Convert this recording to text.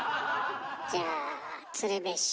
じゃあ鶴瓶師匠。